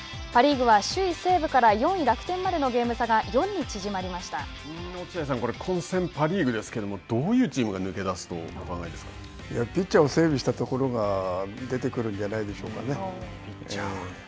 パ・リーグは首位西武から４位楽天までのゲーム差が落合さん、混戦パ・リーグですけれどもどういうチームが抜け出すとピッチャーは整備したところが出てくるんじゃないですかね。